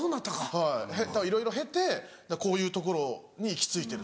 はいだからいろいろ経てこういうところに行きついてる。